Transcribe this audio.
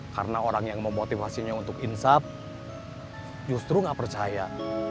karena orang yang memotivasinya untuk insap justru gak percaya